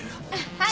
はい。